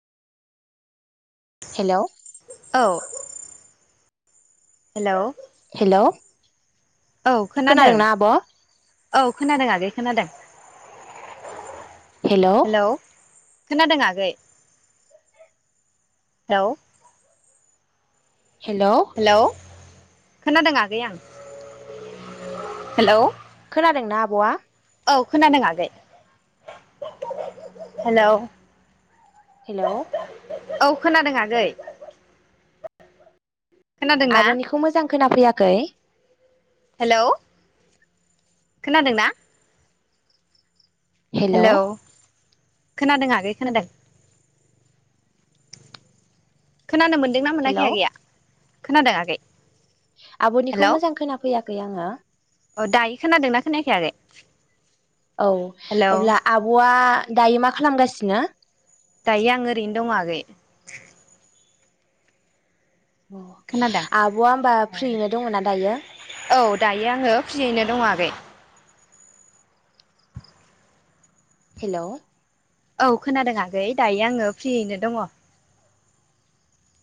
Hello औ hello hello औ खोनादों खोनादोंना आब' औ खोनादों आगै खोनादों। हेलौ खोनादों आगै। हेलौ हेलौ खोनादों आगै आं हेलौ खोनादोंना आब'आ? औ खोनादों आगै हेलौ। हेलौ औ खोनादों आगै। खोनादोंना आब'निखौ मोजां खोनाफैयाखै। गै हेलौ खोनादोंना? हेलौ खोनादों आगै खोनादों। खोनानो मोन्दोंना हेलौ मोनाखै गैया? खोनादों आगै आब'निखौ मोजां खोनाफैयाखै। खै आङो। अ दायो खोनादोंना खोनायाखै आगै? औ हेलौ अब्ला आब'आ दायो मा खालामगासिनो? दायो आं ओरैनो दं आगै खोनादों आब'आ होमबा औ फ्रियैनो दङना दायो औ दायो आङो फ्रियैनो दं आगै। हेलौ औ खोनादों आगै दायो आङो फ्रियैनो दङ